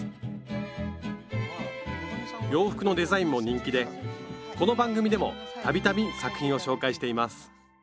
洋服のデザインも人気でこの番組でも度々作品を紹介しています